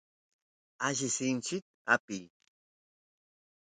alli sinchit apiy